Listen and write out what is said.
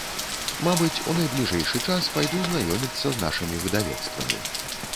Мабыць, у найбліжэйшы час пайду знаёміцца з нашымі выдавецтвамі.